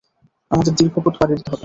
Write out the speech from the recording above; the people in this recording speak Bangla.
আমাদের দীর্ঘপথ পাড়ি দিতে হবে।